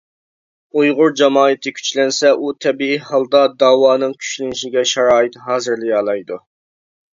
ئۇيغۇر جامائىتى كۈچلەنسە ئۇ تەبىئىي ھالدا داۋانىڭ كۈچلىنىشىگە شارائىت ھازىرلىيالايدۇ.